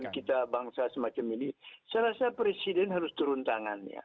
ini kan kita bangsa semacam ini saya rasa presiden harus turun tangannya